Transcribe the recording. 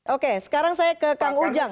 oke sekarang saya ke kang ujang